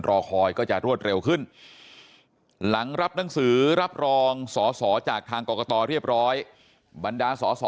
รอคอยก็จะรวดเร็วขึ้นหลังรับหนังสือรับรองสอสอจากทางกรกตเรียบร้อยบรรดาสอสอ